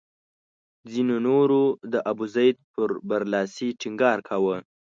ځینو نورو د ابوزید پر برلاسي ټینګار کاوه.